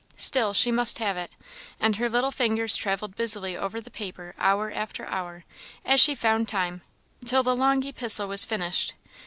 Still she must have it; and her little fingers travelled busily over the paper hour after hour, as she found time, till the long epistle was finished.